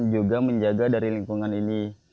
juga menjaga dari lingkungan ini